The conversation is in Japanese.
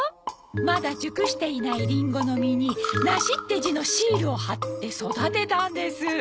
まだ熟していないリンゴの実に「梨」って字のシールを貼って育てたんです。